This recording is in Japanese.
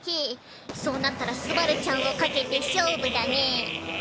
そうなったら昴ちゃんを賭けて勝負だね。